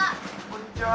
こんにちは！